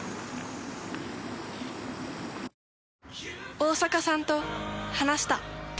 大坂さんと話した。